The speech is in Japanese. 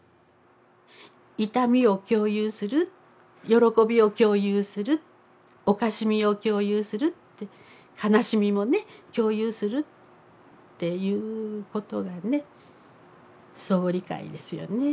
痛みを共有する喜びを共有するおかしみを共有する悲しみもね共有するっていうことがね相互理解ですよね。